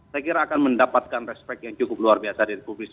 saya kira akan mendapatkan respek yang cukup luar biasa dan publis